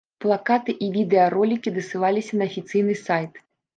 Плакаты і відэаролікі дасылаліся на афіцыйны сайт.